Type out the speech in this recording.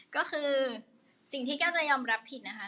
ก็คือสิ่งที่แก้วจะยอมรับผิดนะคะ